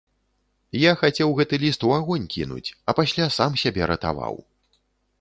Я хацеў гэты ліст у агонь кінуць, а пасля сам сябе ратаваў.